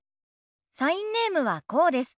サインネームはこうです。